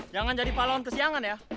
jangan jadi pahlawan kesiangan ya